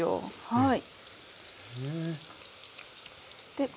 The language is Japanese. はい。